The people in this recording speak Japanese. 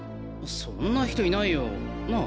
そんな人いないよなあ？